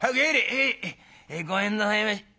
「へい。ごめんなさいまし。